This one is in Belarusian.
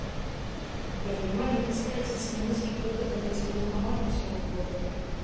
Прадпрымальнікі скардзяцца на нізкі попыт на працягу амаль ўсяго года.